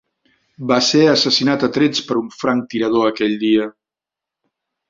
Va ser assassinat a trets per un franctirador aquell dia.